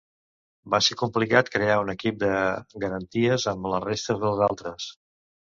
Va ser complicat crear un equip de garanties amb les restes dels altres.